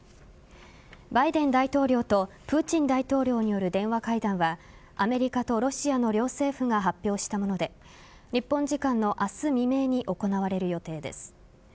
バイデン大統領とプーチン大統領による電話会談はアメリカとロシアの両政府が発表したもので日本時間の明日未明に行われる予定です。